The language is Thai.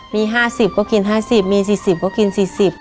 มีห้าสิบก็กินห้าสิบมีสี่สิบก็กินสี่สิบ